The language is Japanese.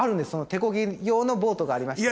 手こぎ用のボートがありまして。